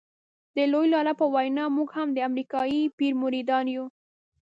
د لوی لالا په وینا موږ هم د امریکایي پیر مریدان یو.